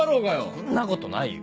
そんなことないよ。